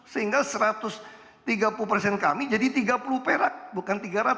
sehingga satu ratus tiga puluh persen kami jadi tiga puluh perak bukan tiga ratus